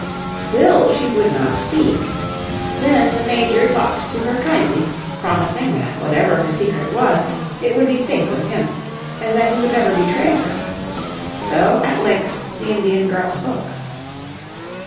Still she would not speak. Then the Major talked to her kindly, promising that whatever her secret was, it would be safe with him, and that he would never betray her. So at length the Indian girl spoke.